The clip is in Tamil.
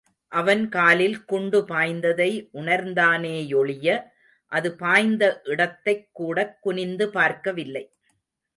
அவன் காலில் குண்டு பாய்ந்ததை உணர்ந்தானேயொழிய அது பாய்ந்த இடத்தைக் கூடக் குனிந்து பார்க்கவில்லை.